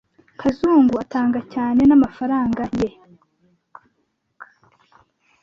Kazungu atanga cyane namafaranga ye.